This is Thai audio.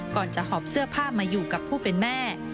ก่อนจะหอบเสื้อผ้ามาอยู่กับผู้เป็นแม่